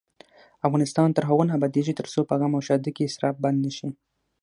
افغانستان تر هغو نه ابادیږي، ترڅو په غم او ښادۍ کې اسراف بند نشي.